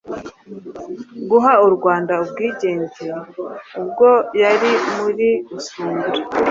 guha u Rwanda ubwigenge. Ubwo yari muri Usumbura,